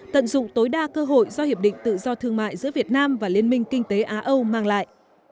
tận dụng tối đa cơ hội do hiệp định tự do thương mại giữa việt nam và liên minh kinh tế á âu mang lại